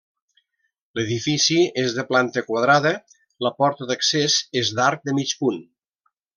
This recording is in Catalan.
L'edifici és de planta quadrada, la porta d'accés és d'arc de mig punt.